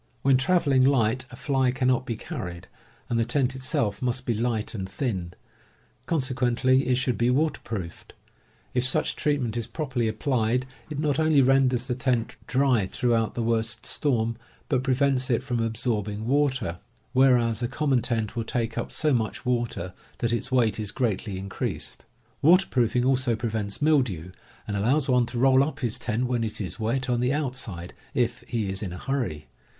When traveling light, a fly cannot be carried, and the tent itself must be light and thin; consequently it should be waterproofed. If such treatment is properly applied it not only renders the tent dry throughout the worst storm, but prevents it from absorbing water, whereas a common tent will take up so much water that its weight is greatly increased. Waterproofing also prevents mildew, and allows one to roll up his tent when it is wet on the outside, if he is in a hurry.